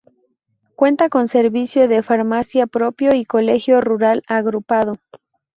Cuenta con servicio de farmacia propio y Colegio Rural Agrupado.